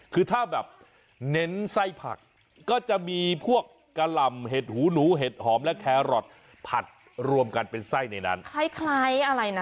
คือถ้าแบบเน้นไส้ผักก็จะมีพวกกะหล่ำเห็ดหูหนูเห็ดหอมและแครอทผัดรวมกันเป็นไส้ในนั้นคล้ายอะไรนะ